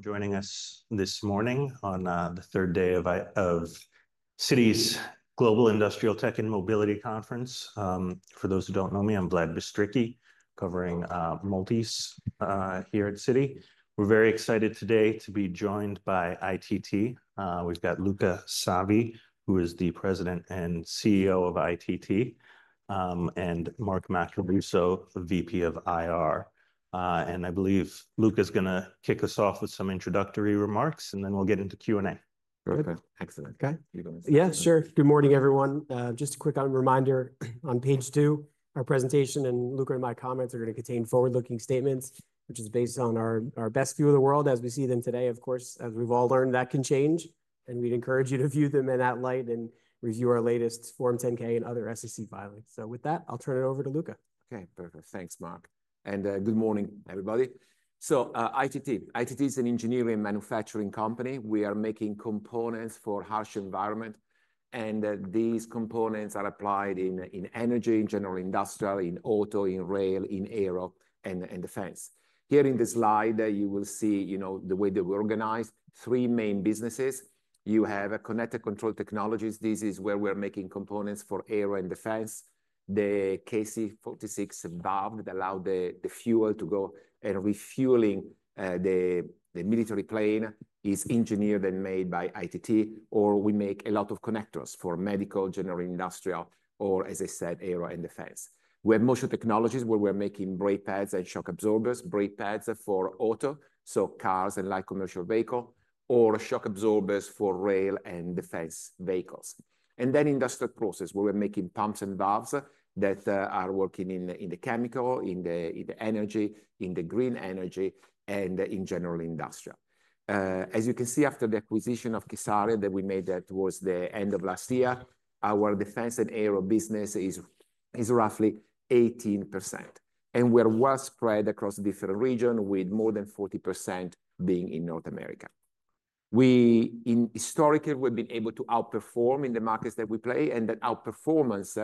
Joining us this morning on the third day of Citi's Global Industrial Tech and Mobility Conference. For those who don't know me, I'm Vlad Bystricky, covering multis here at Citi. We're very excited today to be joined by ITT. We've got Luca Savi, who is the President and CEO of ITT, and Mark Macaluso, VP of IR, and I believe Luca is going to kick us off with some introductory remarks, and then we'll get into Q&A. Okay, excellent. Yeah, sure. Good morning, everyone. Just a quick reminder on page two, our presentation and Luca and my comments are going to contain forward-looking statements, which is based on our best view of the world as we see them today. Of course, as we've all learned, that can change, and we'd encourage you to view them in that light and review our latest Form 10-K and other SEC filings. So with that, I'll turn it over to Luca. Okay, perfect. Thanks, Mark. And good morning, everybody. ITT is an engineering manufacturing company. We are making components for harsh environments, and these components are applied in energy, in general industrial, in auto, in rail, in aero and defense. Here in this slide, you will see the way that we organize three main businesses. You have Connect & Control Technologies. This is where we're making components for aero and defense. The KC-46 valve that allowed the fuel to go and refueling the military plane is engineered and made by ITT, or we make a lot of connectors for medical, general industrial, or, as I said, aero and defense. We have Motion Technologies where we're making brake pads and shock absorbers, brake pads for auto, so cars and light commercial vehicles, or shock absorbers for rail and defense vehicles. And then Industrial Process, where we're making pumps and valves that are working in the chemical, in the energy, in the green energy, and in general industrial. As you can see after the acquisition of kSARIA that we made towards the end of last year, our defense and aero business is roughly 18%, and we are well spread across different regions, with more than 40% being in North America. Historically, we've been able to outperform in the markets that we play, and that outperformance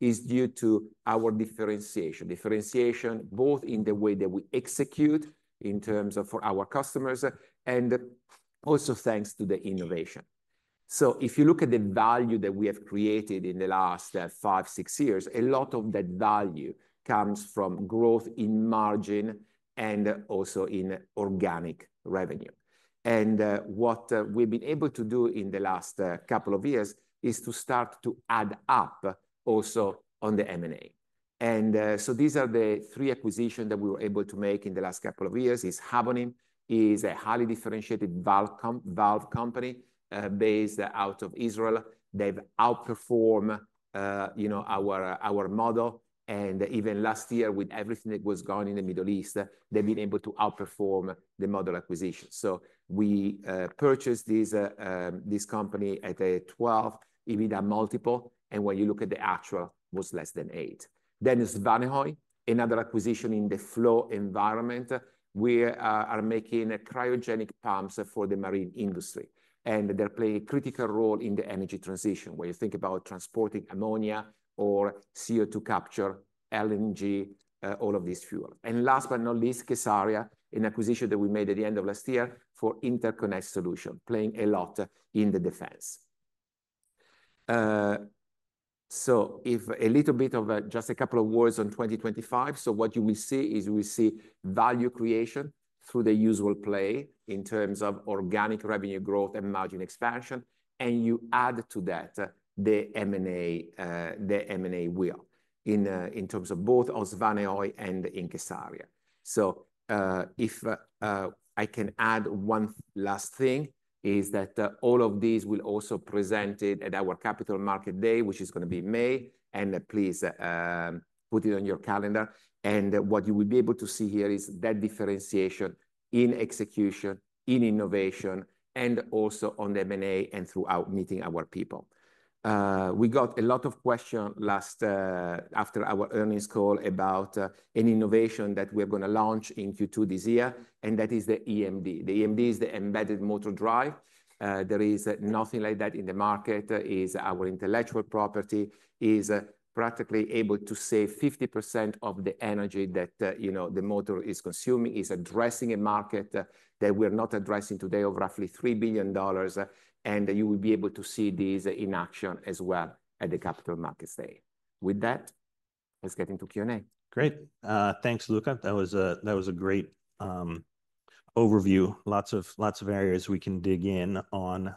is due to our differentiation, differentiation both in the way that we execute in terms of for our customers and also thanks to the innovation. So if you look at the value that we have created in the last five, six years, a lot of that value comes from growth in margin and also in organic revenue. What we've been able to do in the last couple of years is to start to add up also on the M&A. These are the three acquisitions that we were able to make in the last couple of years. It's Habonim, a highly differentiated valve company based out of Israel. They've outperformed our model. Even last year, with everything that was going on in the Middle East, they've been able to outperform the model acquisition. We purchased this company at a 12 EBITDA multiple, and when you look at the actual, it was less than eight. Then, Svanehøj, another acquisition in the flow environment. We are making cryogenic pumps for the marine industry, and they're playing a critical role in the energy transition where you think about transporting ammonia or CO2 capture, LNG, all of these fuels. And last but not least, kSARIA, an acquisition that we made at the end of last year for Interconnect Solution, playing a lot in the defense. So, just a little bit of a couple of words on 2025. What you will see is we will see value creation through the usual play in terms of organic revenue growth and margin expansion, and you add to that the M&A as well in terms of both Svanehøj and kSARIA. If I can add one last thing, all of these will also be presented at our Capital Markets Day, which is going to be in May, and please put it on your calendar. What you will be able to see here is that differentiation in execution, in innovation, and also on the M&A and through meeting our people. We got a lot of questions after our earnings call about an innovation that we're going to launch in Q2 this year, and that is the EMD. The EMD is the Embedded Motor Drive. There is nothing like that in the market. It is our intellectual property. It is practically able to save 50% of the energy that the motor is consuming. It's addressing a market that we're not addressing today of roughly $3 billion, and you will be able to see this in action as well at the Capital Markets Day. With that, let's get into Q&A. Great. Thanks, Luca. That was a great overview. Lots of areas we can dig in on.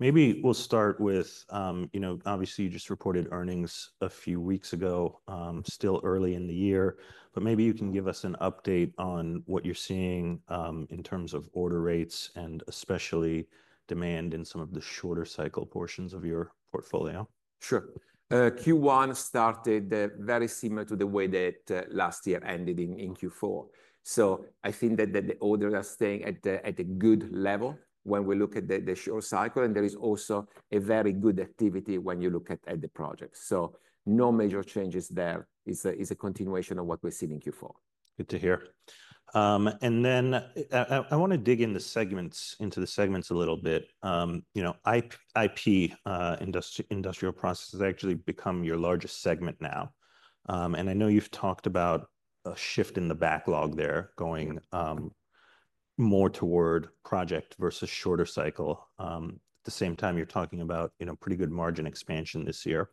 Maybe we'll start with, obviously, you just reported earnings a few weeks ago, still early in the year, but maybe you can give us an update on what you're seeing in terms of order rates and especially demand in some of the shorter cycle portions of your portfolio. Sure. Q1 started very similar to the way that last year ended in Q4. So I think that the order is staying at a good level when we look at the short cycle, and there is also a very good activity when you look at the project. So no major changes there. It's a continuation of what we've seen in Q4. Good to hear. And then I want to dig into the segments a little bit. IP, Industrial Process, actually become your largest segment now. And I know you've talked about a shift in the backlog there going more toward project versus shorter cycle. At the same time, you're talking about pretty good margin expansion this year.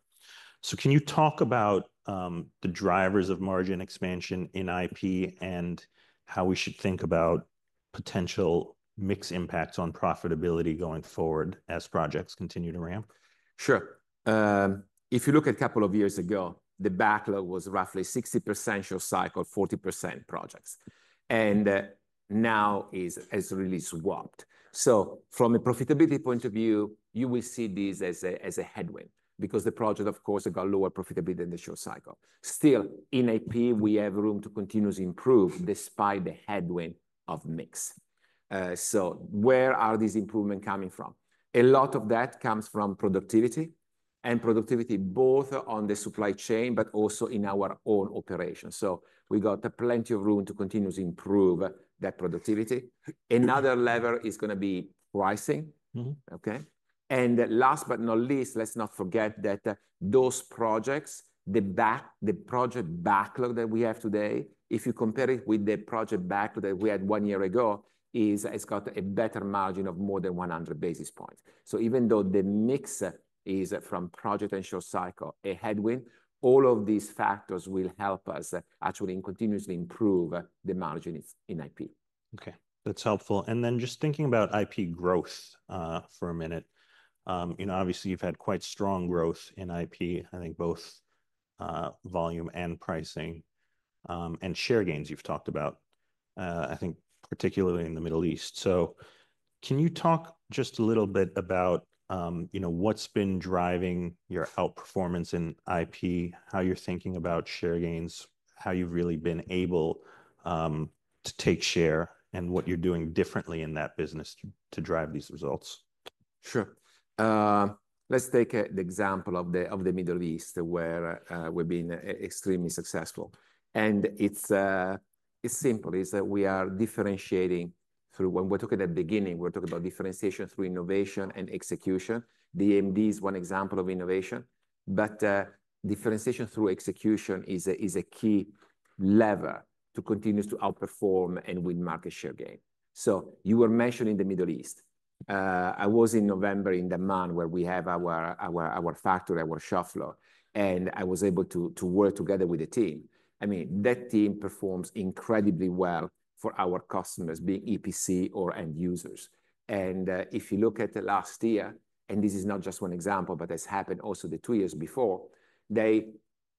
So can you talk about the drivers of margin expansion in IP and how we should think about potential mixed impacts on profitability going forward as projects continue to ramp? Sure. If you look at a couple of years ago, the backlog was roughly 60% short cycle, 40% projects. And now it's really swapped. So from a profitability point of view, you will see this as a headwind because the project, of course, got lower profitability than the short cycle. Still, in IP, we have room to continuously improve despite the headwind of mix. So where are these improvements coming from? A lot of that comes from productivity and productivity both on the supply chain, but also in our own operations. So we got plenty of room to continuously improve that productivity. Another lever is going to be pricing. Okay. Last but not least, let's not forget that those projects, the project backlog that we have today, if you compare it with the project backlog that we had one year ago, it's got a better margin of more than 100 basis points. So even though the mix is from project and short cycle, a headwind, all of these factors will help us actually continuously improve the margin in IP. Okay. That's helpful. And then just thinking about IP growth for a minute, obviously, you've had quite strong growth in IP, I think both volume and pricing and share gains you've talked about, I think particularly in the Middle East. So can you talk just a little bit about what's been driving your outperformance in IP, how you're thinking about share gains, how you've really been able to take share and what you're doing differently in that business to drive these results? Sure. Let's take the example of the Middle East where we've been extremely successful. And it's simple. We are differentiating through, when we're talking at the beginning, we're talking about differentiation through innovation and execution. The EMD is one example of innovation, but differentiation through execution is a key lever to continue to outperform and win market share gain. So you were mentioning the Middle East. I was in November in Dammam where we have our factory, our shop floor, and I was able to work together with the team. I mean, that team performs incredibly well for our customers being EPC or end users. And if you look at the last year, and this is not just one example, but has happened also the two years before, they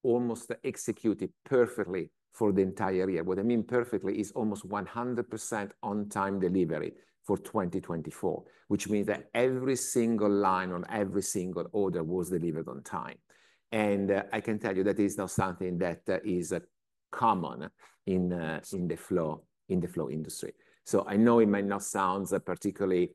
almost executed perfectly for the entire year. What I mean perfectly is almost 100% on-time delivery for 2024, which means that every single line on every single order was delivered on time. And I can tell you that is not something that is common in the flow industry. So I know it may not sound particularly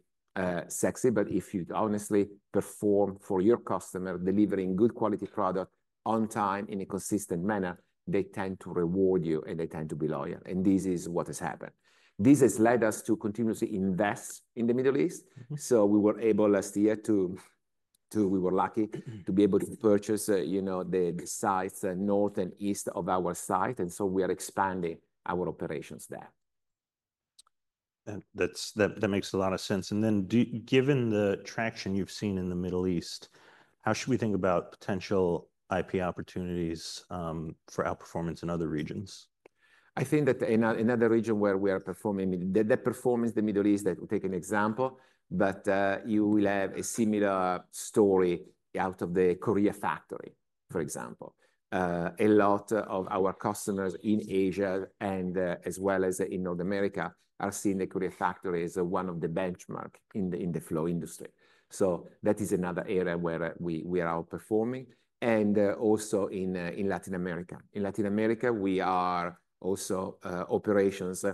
sexy, but if you honestly perform for your customer, delivering good quality product on time in a consistent manner, they tend to reward you and they tend to be loyal. And this is what has happened. This has led us to continuously invest in the Middle East. So we were able last year to, we were lucky to be able to purchase the sites north and east of our site. And so we are expanding our operations there. That makes a lot of sense. And then given the traction you've seen in the Middle East, how should we think about potential IP opportunities for outperformance in other regions? I think that in other regions where we are performing, the performance, the Middle East, that will take an example, but you will have a similar story out of the Korea factory, for example. A lot of our customers in Asia and as well as in North America are seeing the Korea factory as one of the benchmarks in the flow industry. So that is another area where we are outperforming, and also in Latin America. In Latin America, we are also operations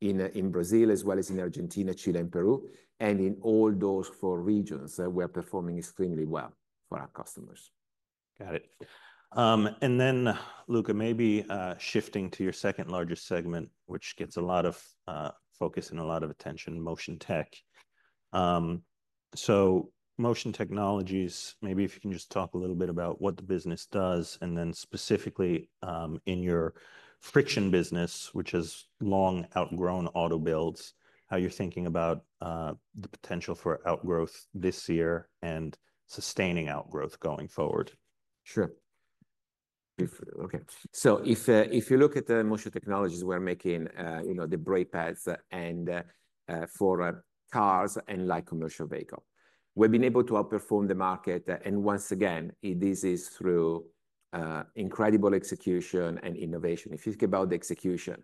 in Brazil as well as in Argentina, Chile, and Peru, and in all those four regions, we are performing extremely well for our customers. Got it. And then, Luca, maybe shifting to your second largest segment, which gets a lot of focus and a lot of attention, Motion Tech. So Motion Technologies, maybe if you can just talk a little bit about what the business does and then specifically in your friction business, which has long outgrown auto builds, how you're thinking about the potential for outgrowth this year and sustaining outgrowth going forward. Sure. Okay. So if you look at the Motion Technologies, we're making the brake pads for cars and light commercial vehicles. We've been able to outperform the market. And once again, this is through incredible execution and innovation. If you think about the execution,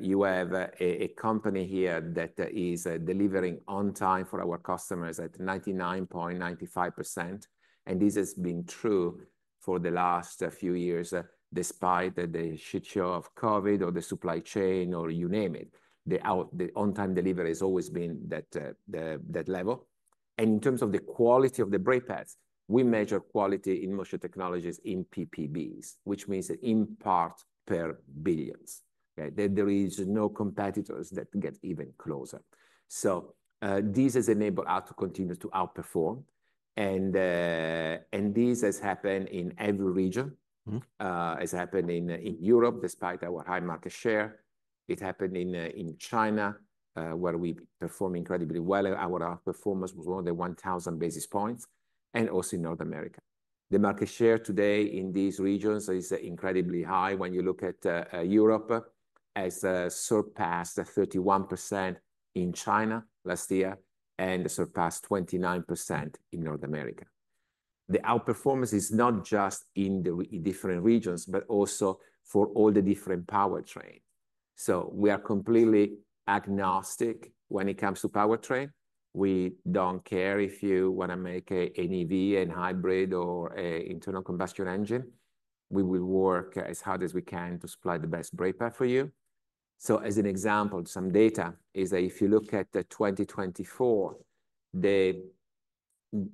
you have a company here that is delivering on time for our customers at 99.95%. And this has been true for the last few years despite the shit show of COVID or the supply chain or you name it. The on-time delivery has always been at that level. And in terms of the quality of the brake pads, we measure quality in Motion Technologies in PPBs, which means in part per bils. There is no competitors that get even closer. So this has enabled us to continue to outperform. And this has happened in every region. It's happened in Europe despite our high market share. It happened in China where we performed incredibly well. Our outperformance was more than 1,000 basis points, and also in North America. The market share today in these regions is incredibly high. When you look at Europe, it has surpassed 31% in China last year and surpassed 29% in North America. The outperformance is not just in the different regions, but also for all the different powertrains, so we are completely agnostic when it comes to powertrain. We don't care if you want to make an EV, a hybrid, or an internal combustion engine. We will work as hard as we can to supply the best brake pad for you, so as an example, some data is that if you look at 2024,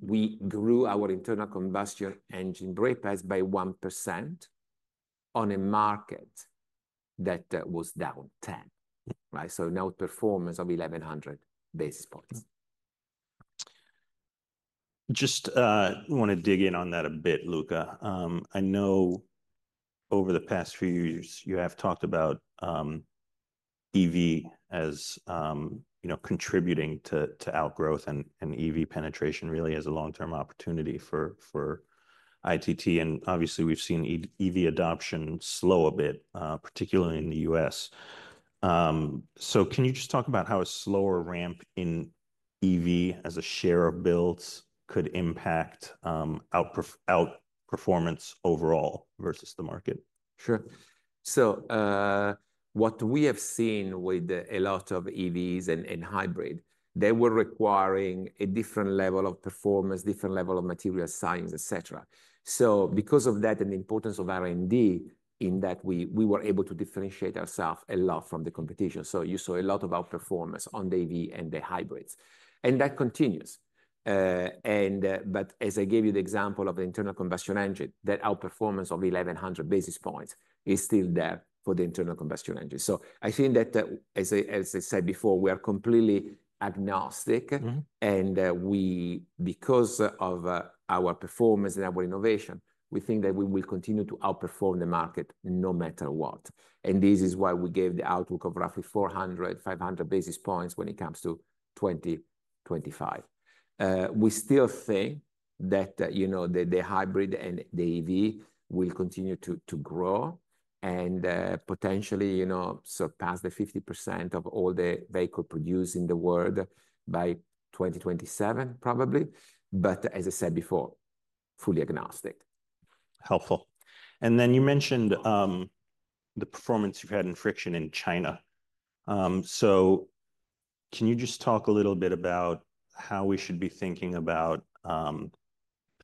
we grew our internal combustion engine brake pads by 1% on a market that was down 10%, so our performance of 1,100 basis points. Just want to dig in on that a bit, Luca. I know over the past few years, you have talked about EV as contributing to outgrowth and EV penetration really as a long-term opportunity for ITT. And obviously, we've seen EV adoption slow a bit, particularly in the U.S. So can you just talk about how a slower ramp in EV as a share of builds could impact outperformance overall versus the market? Sure. So what we have seen with a lot of EVs and hybrids, they were requiring a different level of performance, different level of material science, et cetera. So because of that and the importance of R&D in that we were able to differentiate ourselves a lot from the competition. So you saw a lot of outperformance on the EV and the hybrids. And that continues. But as I gave you the example of the internal combustion engine, that outperformance of 1,100 basis points is still there for the internal combustion engine. So I think that, as I said before, we are completely agnostic. And because of our performance and our innovation, we think that we will continue to outperform the market no matter what. And this is why we gave the outlook of roughly 400-500 basis points when it comes to 2025. We still think that the hybrid and the EV will continue to grow and potentially surpass the 50% of all the vehicles produced in the world by 2027, probably, but as I said before, fully agnostic. Helpful. And then you mentioned the performance you've had in friction in China. So can you just talk a little bit about how we should be thinking about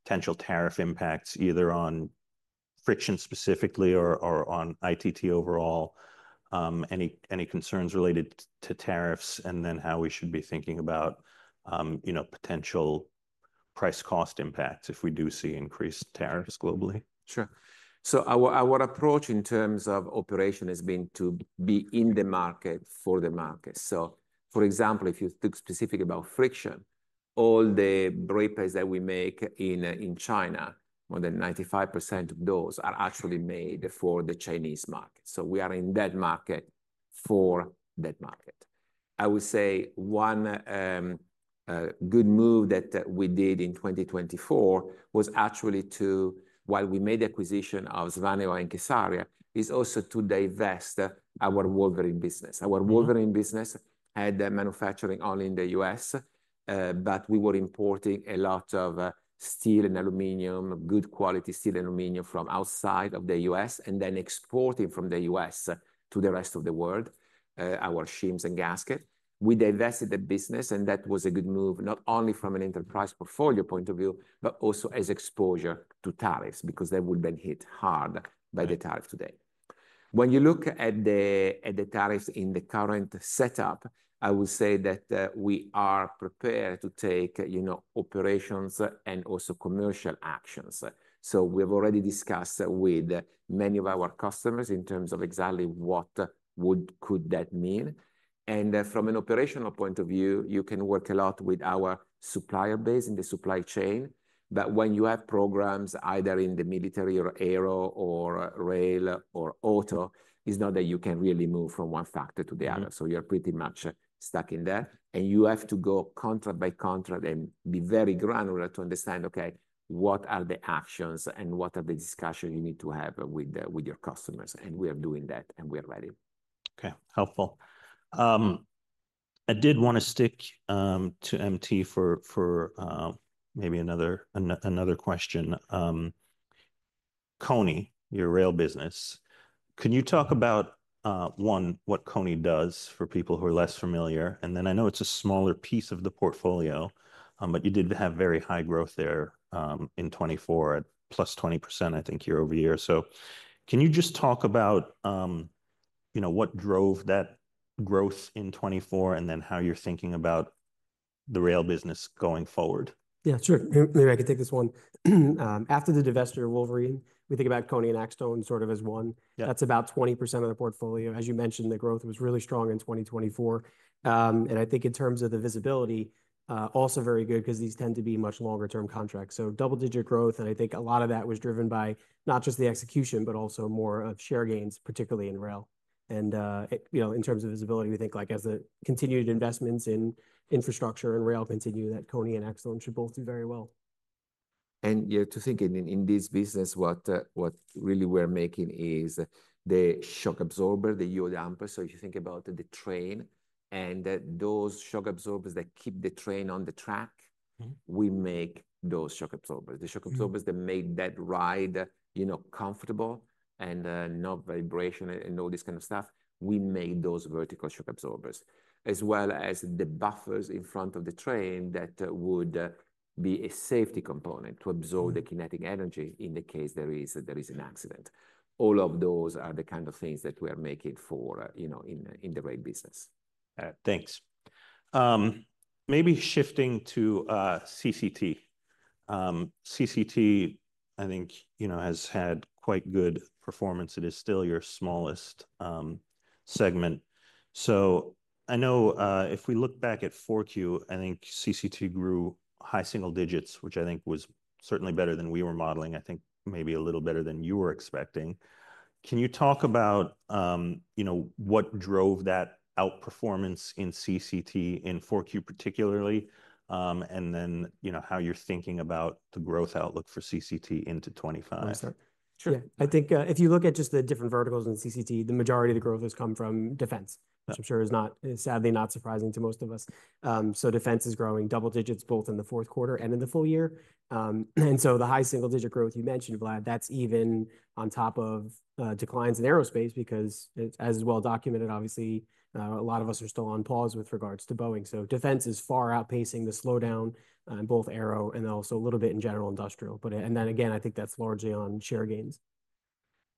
potential tariff impacts either on friction specifically or on ITT overall, any concerns related to tariffs, and then how we should be thinking about potential price cost impacts if we do see increased tariffs globally? Sure. Our approach in terms of operation has been to be in the market for the market. For example, if you speak specifically about friction, all the brake pads that we make in China, more than 95% of those are actually made for the Chinese market. We are in that market for that market. I would say one good move that we did in 2024 was actually to, while we made the acquisition of Svanehøj and kSARIA, is also to divest our Wolverine business. Our Wolverine business had manufacturing only in the U.S., but we were importing a lot of steel and aluminum, good quality steel and aluminum from outside of the U.S. and then exporting from the U.S. to the rest of the world, our shims and gaskets. We divested the business, and that was a good move not only from an enterprise portfolio point of view, but also as exposure to tariffs because they would have been hit hard by the tariffs today. When you look at the tariffs in the current setup, I would say that we are prepared to take operations and also commercial actions, so we've already discussed with many of our customers in terms of exactly what could that mean, and from an operational point of view, you can work a lot with our supplier base in the supply chain, but when you have programs either in the military or aero or rail or auto, it's not that you can really move from one factory to the other, so you're pretty much stuck in there. You have to go contract-by-contract and be very granular to understand, okay, what are the actions and what are the discussions you need to have with your customers. We are doing that, and we are ready. Okay. Helpful. I did want to stick to MT for maybe another question. KONI, your rail business, can you talk about, one, what KONI does for people who are less familiar? And then I know it's a smaller piece of the portfolio, but you did have very high growth there in 2024 at plus 20%, I think, year-over-year. So can you just talk about what drove that growth in 2024 and then how you're thinking about the rail business going forward? Yeah, sure. Maybe I can take this one. After the divestiture of Wolverine, we think about KONI and Axtone sort of as one. That's about 20% of the portfolio. As you mentioned, the growth was really strong in 2024. And I think in terms of the visibility, also very good because these tend to be much longer-term contracts. So double-digit growth, and I think a lot of that was driven by not just the execution, but also more of share gains, particularly in rail. And in terms of visibility, we think as the continued investments in infrastructure and rail continue that KONI and Axtone should both do very well. To think in this business, what really we're making is the shock absorber, the yaw damper. So if you think about the train and those shock absorbers that keep the train on the track, we make those shock absorbers. The shock absorbers that make that ride comfortable and no vibration and all this kind of stuff, we made those vertical shock absorbers, as well as the buffers in front of the train that would be a safety component to absorb the kinetic energy in the case there is an accident. All of those are the kind of things that we are making in the rail business. Thanks. Maybe shifting to CCT. CCT, I think, has had quite good performance. It is still your smallest segment. So I know if we look back at 4Q, I think CCT grew high single digits, which I think was certainly better than we were modeling. I think maybe a little better than you were expecting. Can you talk about what drove that outperformance in CCT in 4Q particularly, and then how you're thinking about the growth outlook for CCT into 2025? Sure. I think if you look at just the different verticals in CCT, the majority of the growth has come from defense, which I'm sure is not surprising to most of us. So defense is growing double digits both in the fourth quarter and in the full year. And so the high single-digit growth you mentioned, Vlad, that's even on top of declines in aerospace because, as well documented, obviously, a lot of us are still on pause with regards to Boeing. So defense is far outpacing the slowdown in both aero and also a little bit in general industrial. And then again, I think that's largely on share gains.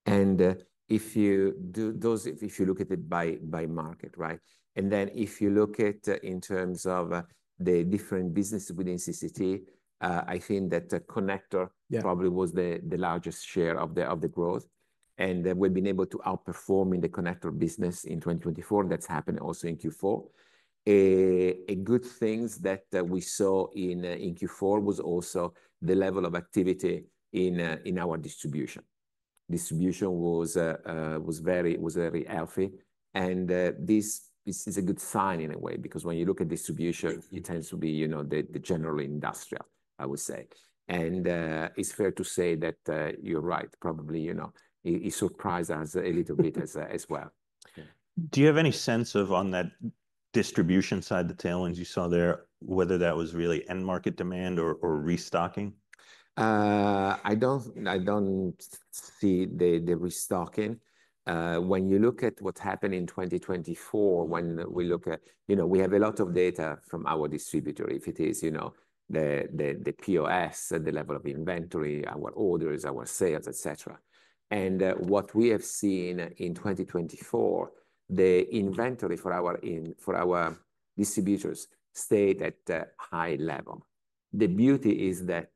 And if you look at it by market, right? And then if you look at in terms of the different businesses within CCT, I think that connector probably was the largest share of the growth. And we've been able to outperform in the connector business in 2024. That's happened also in Q4. A good thing that we saw in Q4 was also the level of activity in our distribution. Distribution was very healthy. And this is a good sign in a way because when you look at distribution, it tends to be the general industrial, I would say. And it's fair to say that you're right. Probably it surprised us a little bit as well. Do you have any sense of on that distribution side, the tailwinds you saw there, whether that was really end market demand or restocking? I don't see the restocking. When you look at what's happened in 2024, when we look at, we have a lot of data from our distributors, if it is the POS, the level of inventory, our orders, our sales, et cetera. What we have seen in 2024, the inventory for our distributors stayed at a high level. The beauty is that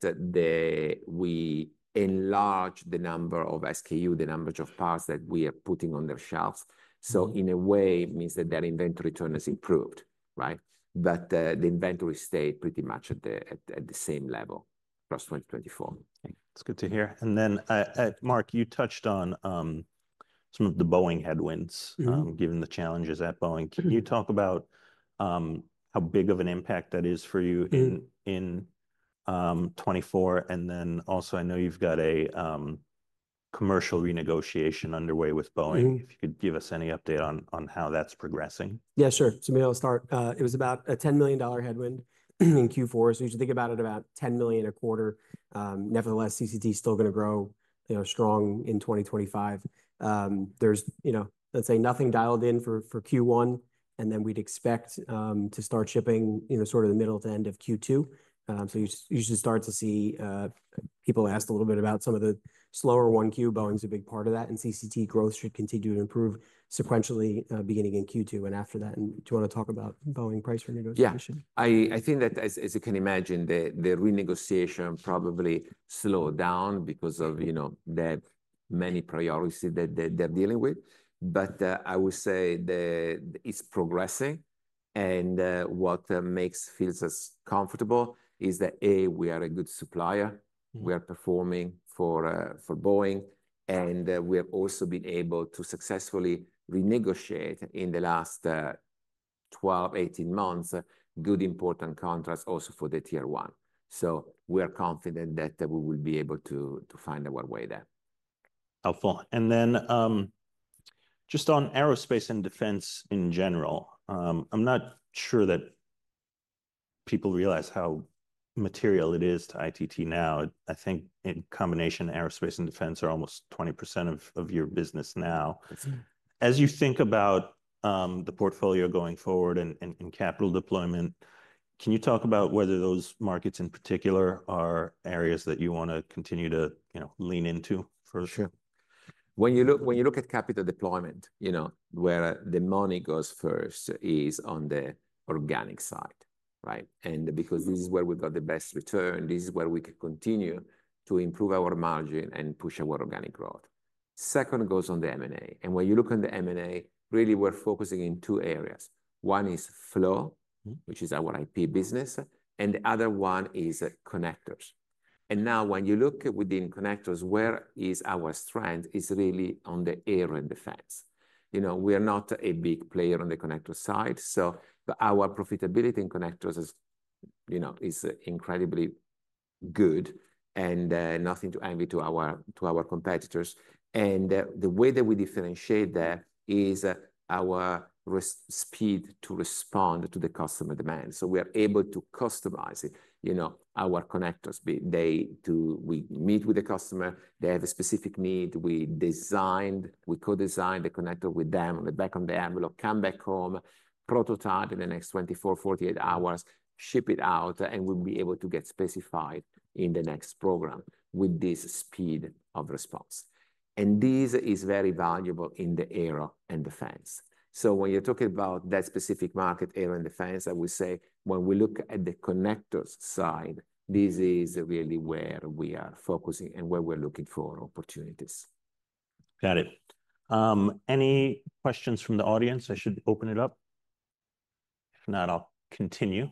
we enlarged the number of SKU, the number of parts that we are putting on their shelves. So in a way, it means that their inventory turn has improved, right? But the inventory stayed pretty much at the same level across 2024. That's good to hear. And then, Mark, you touched on some of the Boeing headwinds given the challenges at Boeing. Can you talk about how big of an impact that is for you in 2024? And then also, I know you've got a commercial renegotiation underway with Boeing. If you could give us any update on how that's progressing. Yeah, sure. So maybe I'll start. It was about a $10 million headwind in Q4. So you should think about it about $10 million a quarter. Nevertheless, CCT is still going to grow strong in 2025. There's, let's say, nothing dialed in for Q1. And then we'd expect to start shipping sort of the middle to end of Q2. So you should start to see people asked a little bit about some of the slower 1Q. Boeing's a big part of that. And CCT growth should continue to improve sequentially beginning in Q2 and after that. And do you want to talk about Boeing price renegotiation? Yeah. I think that, as you can imagine, the renegotiation probably slowed down because of that many priorities that they're dealing with. But I would say it's progressing, and what makes us comfortable is that, A, we are a good supplier. We are performing for Boeing. And we have also been able to successfully renegotiate in the last 12-18 months good important contracts also for the tier one. So we are confident that we will be able to find our way there. Helpful, and then just on aerospace and defense in general, I'm not sure that people realize how material it is to ITT now. I think in combination, aerospace and defense are almost 20% of your business now. As you think about the portfolio going forward and capital deployment, can you talk about whether those markets in particular are areas that you want to continue to lean into for sure? When you look at capital deployment, where the money goes first is on the organic side, right? And because this is where we've got the best return, this is where we can continue to improve our margin and push our organic growth. Second goes on the M&A. And when you look on the M&A, really we're focusing in two areas. One is flow, which is our IP business, and the other one is connectors. And now when you look within connectors, where is our strength is really on the aero and defense. We are not a big player on the connector side. So our profitability in connectors is incredibly good and nothing to envy to our competitors. And the way that we differentiate that is our speed to respond to the customer demand. So we are able to customize our connectors. We meet with the customer. They have a specific need. We designed, we co-designed the connector with them on the back of the envelope, come back home, prototype in the next 24-48 hours, ship it out, and we'll be able to get specified in the next program with this speed of response. And this is very valuable in the aero and defense. So when you're talking about that specific market, aero and defense, I would say when we look at the connectors side, this is really where we are focusing and where we're looking for opportunities. Got it. Any questions from the audience? I should open it up. If not, I'll continue.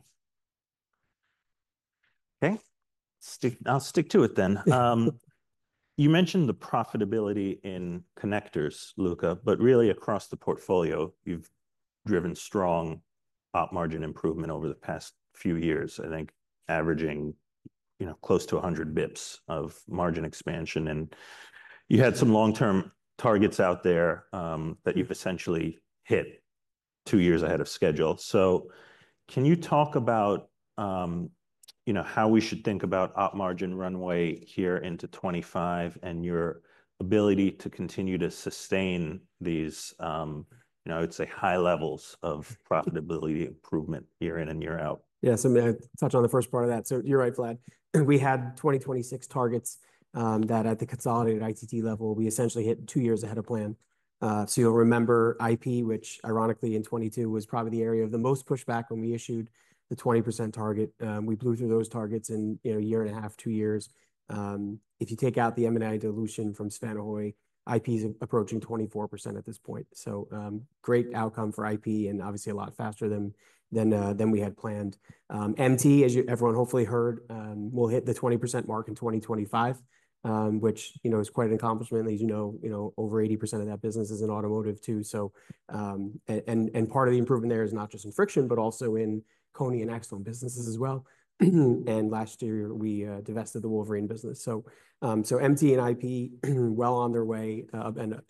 Okay. I'll stick to it then. You mentioned the profitability in connectors, Luca, but really across the portfolio, you've driven strong upside margin improvement over the past few years, I think averaging close to 100 bips of margin expansion, and you had some long-term targets out there that you've essentially hit two years ahead of schedule, so can you talk about how we should think about upside margin runway here into 2025 and your ability to continue to sustain these, I would say, high levels of profitability improvement year in and year out? Yeah. So may I touch on the first part of that? So you're right, Vlad. We had 2026 targets that at the consolidated ITT level, we essentially hit two years ahead of plan. So you'll remember IP, which ironically in 2022 was probably the area of the most pushback when we issued the 20% target. We blew through those targets in a year and a half, two years. If you take out the M&A dilution from Svanehøj, IP is approaching 24% at this point. So great outcome for IP and obviously a lot faster than we had planned. MT, as everyone hopefully heard, will hit the 20% mark in 2025, which is quite an accomplishment. As you know, over 80% of that business is in automotive too. And part of the improvement there is not just in friction, but also in KONI and Axtone businesses as well. Last year, we divested the Wolverine business. So MT and IP, well on their way, and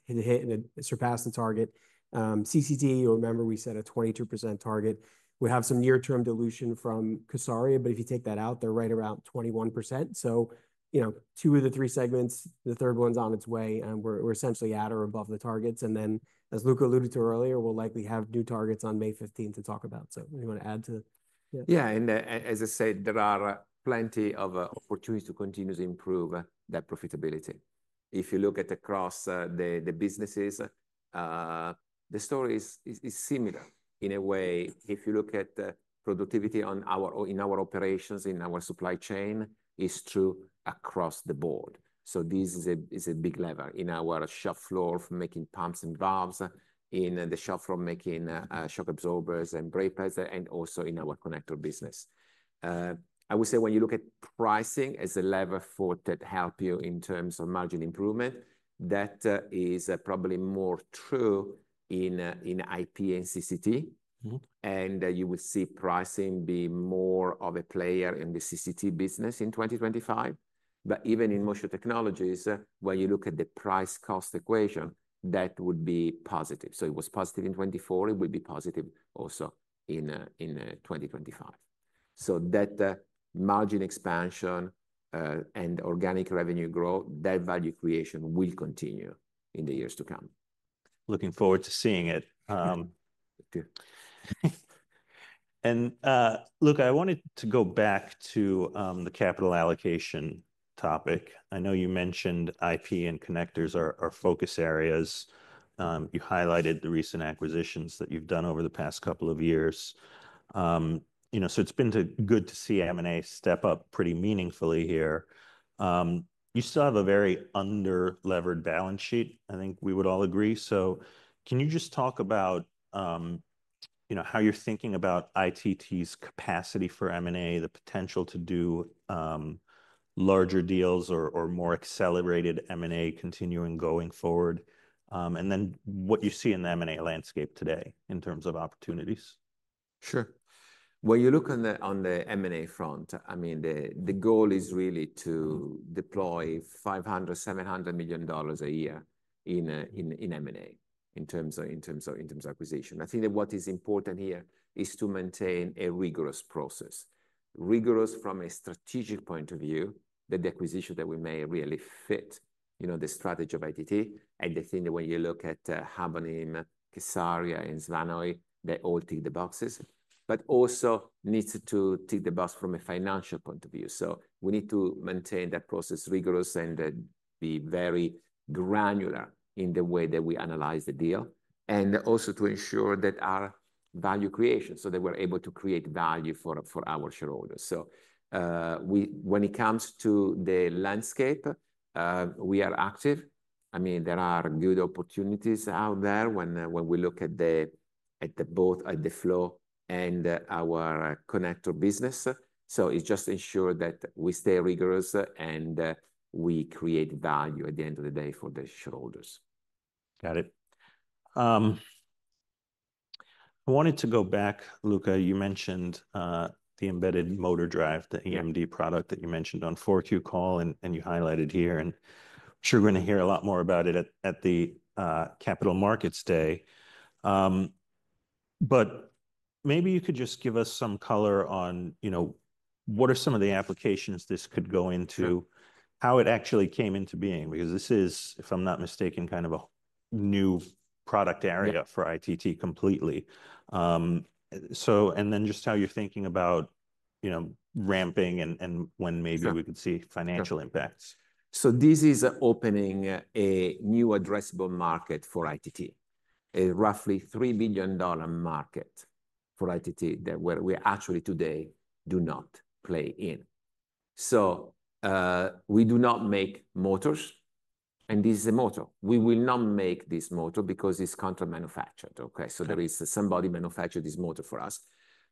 surpassed the target. CCT, you'll remember we set a 22% target. We have some near-term dilution from kSARIA, but if you take that out, they're right around 21%. So two of the three segments, the third one's on its way, and we're essentially at or above the targets. Then, as Luca alluded to earlier, we'll likely have new targets on May 15th to talk about. So do you want to add to that? Yeah. And as I said, there are plenty of opportunities to continue to improve that profitability. If you look at across the businesses, the story is similar in a way. If you look at productivity in our operations, in our supply chain, it's true across the board. So this is a big lever in our shop floor for making pumps and valves, in the shop floor making shock absorbers and brake pads, and also in our connector business. I would say when you look at pricing as a lever for that help you in terms of margin improvement, that is probably more true in IP and CCT. And you will see pricing be more of a player in the CCT business in 2025. But even in Motion Technologies, when you look at the price-cost equation, that would be positive. So it was positive in 2024. It will be positive also in 2025, so that margin expansion and organic revenue growth, that value creation will continue in the years to come. Looking forward to seeing it. Luca, I wanted to go back to the capital allocation topic. I know you mentioned IP and connectors are focus areas. You highlighted the recent acquisitions that you've done over the past couple of years. It's been good to see M&A step up pretty meaningfully here. You still have a very under-levered balance sheet, I think we would all agree. Can you just talk about how you're thinking about ITT's capacity for M&A, the potential to do larger deals or more accelerated M&A continuing going forward, and then what you see in the M&A landscape today in terms of opportunities? Sure. When you look on the M&A front, I mean, the goal is really to deploy $500 million-$700 million a year in M&A in terms of acquisition. I think that what is important here is to maintain a rigorous process. Rigorous from a strategic point of view, that the acquisition that we make really fit the strategy of ITT. And I think that when you look at Habonim, kSARIA, and Svanehøj, they all tick the boxes, but also needs to tick the box from a financial point of view. So we need to maintain that process rigorous and be very granular in the way that we analyze the deal, and also to ensure that our value creation, so that we're able to create value for our shareholders. So when it comes to the landscape, we are active. I mean, there are good opportunities out there when we look at both the flow and our connector business. So it's just to ensure that we stay rigorous and we create value at the end of the day for the shareholders. Got it. I wanted to go back, Luca. You mentioned the Embedded Motor Drive, the EMD product that you mentioned on 4Q call, and you highlighted here. And I'm sure we're going to hear a lot more about it at the Capital Markets Day. But maybe you could just give us some color on what are some of the applications this could go into, how it actually came into being, because this is, if I'm not mistaken, kind of a new product area for ITT completely. And then just how you're thinking about ramping and when maybe we could see financial impacts. So this is opening a new addressable market for ITT, a roughly $3 billion market for ITT that we actually today do not play in. So we do not make motors, and this is a motor. We will not make this motor because it's contract manufactured. So there is somebody manufacturing this motor for us.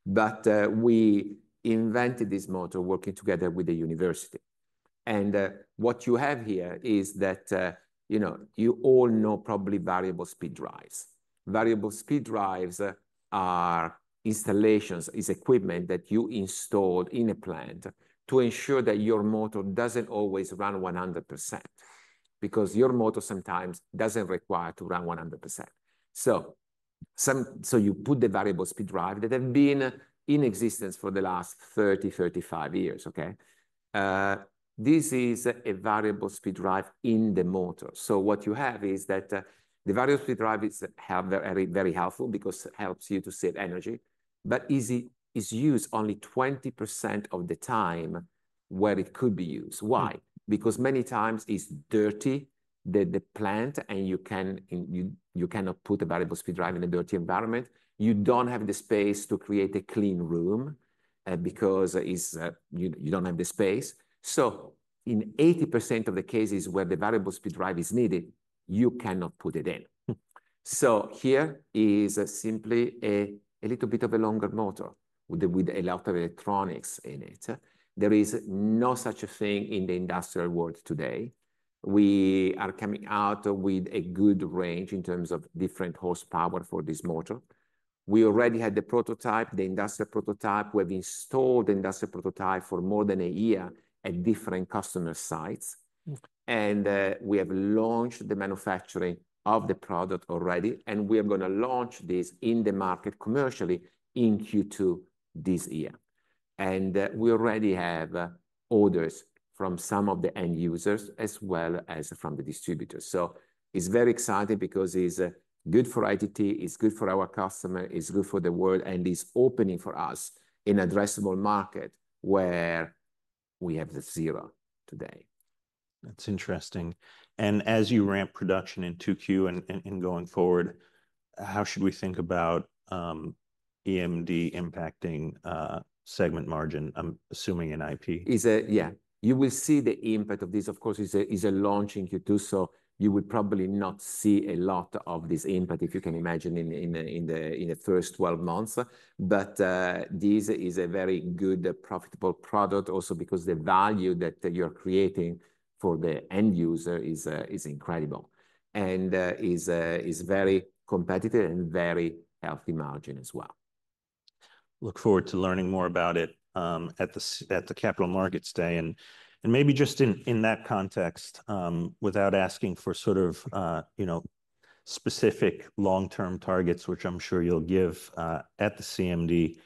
But we invented this motor working together with the university. And what you have here is that you all know probably variable speed drives. Variable speed drives are installations, is equipment that you install in a plant to ensure that your motor doesn't always run 100% because your motor sometimes doesn't require to run 100%. So you put the variable speed drive that have been in existence for the last 30-35 years. This is a variable speed drive in the motor. So what you have is that the variable speed drive is very helpful because it helps you to save energy, but is used only 20% of the time where it could be used. Why? Because many times it's dirty the plant, and you cannot put a variable speed drive in a dirty environment. You don't have the space to create a clean room because you don't have the space. So in 80% of the cases where the variable speed drive is needed, you cannot put it in. So here is simply a little bit of a longer motor with a lot of electronics in it. There is no such a thing in the industrial world today. We are coming out with a good range in terms of different horsepower for this motor. We already had the prototype, the industrial prototype. We have installed the industrial prototype for more than a year at different customer sites. We have launched the manufacturing of the product already. We are going to launch this in the market commercially in Q2 this year. We already have orders from some of the end users as well as from the distributors. It's very exciting because it's good for ITT, it's good for our customer, it's good for the world, and it's opening for us in an addressable market where we have the zero today. That's interesting. And as you ramp production in 2Q and going forward, how should we think about EMD impacting segment margin, I'm assuming in IP? Yeah. You will see the impact of this. Of course, it's a launch in Q2, so you will probably not see a lot of this impact, if you can imagine, in the first 12 months. But this is a very good, profitable product also because the value that you're creating for the end user is incredible and is very competitive and very healthy margin as well. Look forward to learning more about it at the Capital Markets Day, and maybe just in that context, without asking for sort of specific long-term targets, which I'm sure you'll give at the CMD,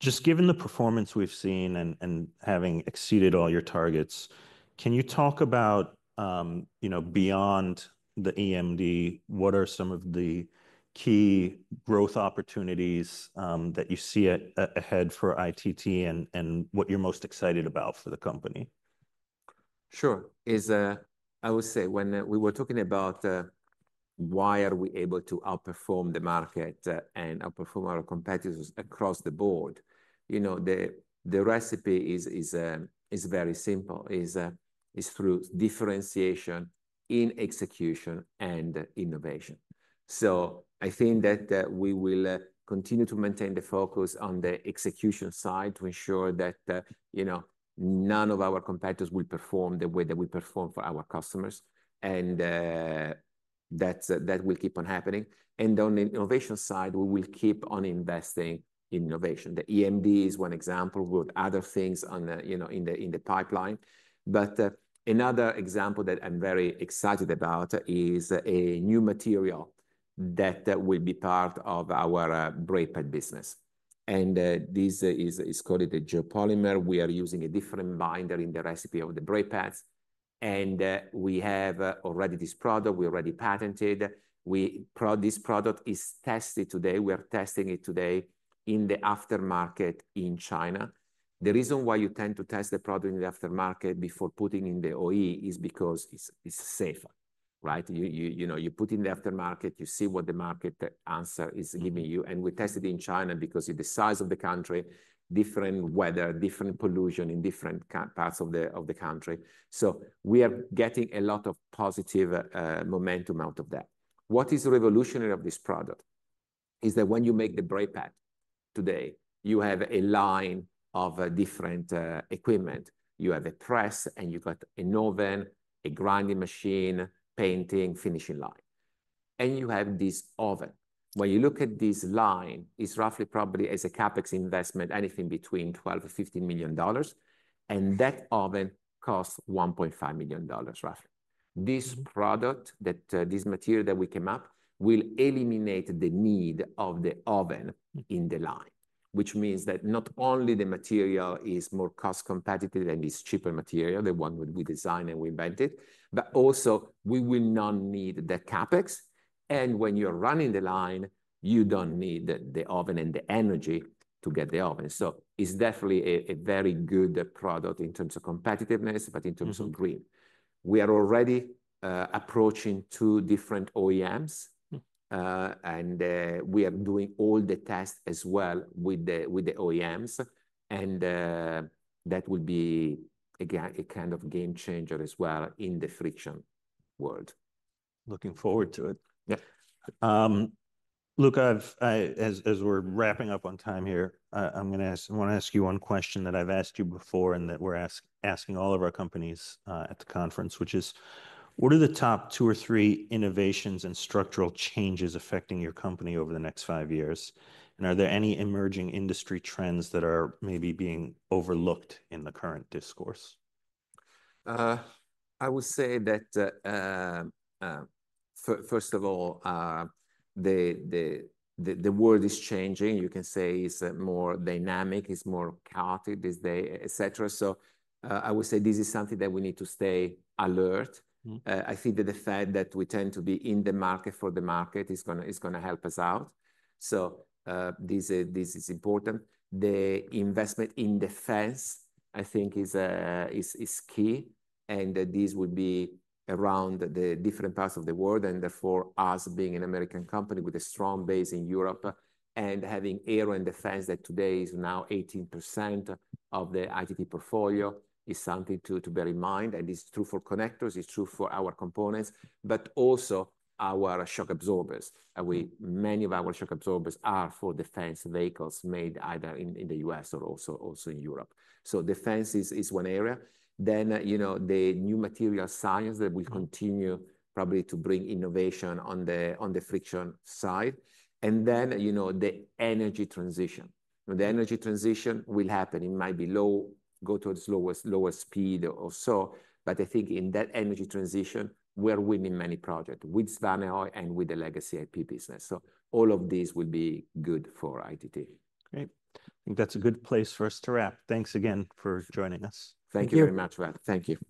just given the performance we've seen and having exceeded all your targets, can you talk about beyond the EMD, what are some of the key growth opportunities that you see ahead for ITT and what you're most excited about for the company? Sure. I would say when we were talking about why are we able to outperform the market and outperform our competitors across the board, the recipe is very simple. It's through differentiation in execution and innovation. So I think that we will continue to maintain the focus on the execution side to ensure that none of our competitors will perform the way that we perform for our customers. And that will keep on happening. And on the innovation side, we will keep on investing in innovation. The EMD is one example with other things in the pipeline. But another example that I'm very excited about is a new material that will be part of our brake pad business. And this is called a geopolymer. We are using a different binder in the recipe of the brake pads. And we have already this product. We already patented. This product is tested today. We are testing it today in the aftermarket in China. The reason why you tend to test the product in the aftermarket before putting in the OE is because it's safer. You put it in the aftermarket, you see what the market answer is giving you, and we tested it in China because of the size of the country, different weather, different pollution in different parts of the country, so we are getting a lot of positive momentum out of that. What is revolutionary of this product is that when you make the brake pad today, you have a line of different equipment. You have a press, and you've got an oven, a grinding machine, painting, finishing line, and you have this oven. When you look at this line, it's roughly probably as a CapEx investment, anything between $12 million-$15 million. And that oven costs $1.5 million roughly. This product, this material that we came up with, will eliminate the need of the oven in the line, which means that not only the material is more cost competitive and it's cheaper material, the one that we designed and we invented, but also we will not need the CapEx. And when you're running the line, you don't need the oven and the energy to get the oven. So it's definitely a very good product in terms of competitiveness, but in terms of green. We are already approaching two different OEMs. And we are doing all the tests as well with the OEMs. And that will be a kind of game-changer as well in the friction world. Looking forward to it. Yeah. Luca, as we're wrapping up on time here, I want to ask you one question that I've asked you before and that we're asking all of our companies at the conference, which is, what are the top two or three innovations and structural changes affecting your company over the next five years? And are there any emerging industry trends that are maybe being overlooked in the current discourse? I would say that, first of all, the world is changing. You can say it's more dynamic, it's more chaotic these days, et cetera. So I would say this is something that we need to stay alert. I think that the fact that we tend to be in the market for the market is going to help us out. So this is important. The investment in defense, I think, is key, and this will be around the different parts of the world, and therefore, us being an American company with a strong base in Europe and having air and defense that today is now 18% of the ITT portfolio is something to bear in mind, and it's true for connectors. It's true for our components, but also our shock absorbers. Many of our shock absorbers are for defense vehicles made either in the U.S. or also in Europe. So defense is one area. Then the new material science that will continue probably to bring innovation on the friction side. And then the energy transition. The energy transition will happen. It might go towards lower speed or so. But I think in that energy transition, we're winning many projects with Svanehøj and with the legacy IP business. So all of these will be good for ITT. Great. I think that's a good place for us to wrap. Thanks again for joining us. Thank you very much, Vlad. Thank you.